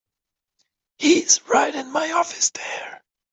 He's right in my office there.